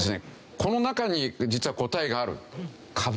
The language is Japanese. この中に実は答えがある。